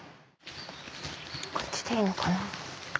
こっちでいいのかな？